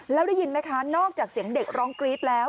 แล้วได้ยินไหมคะนอกจากเสียงเด็กร้องกรี๊ดแล้ว